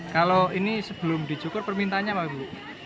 kalau ini sebelum dicukur permintaannya apa bu